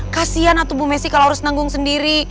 kasian atau bu messi kalau harus nanggung sendiri